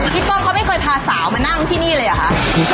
ป้องเขาไม่เคยพาสาวมานั่งที่นี่เลยเหรอคะ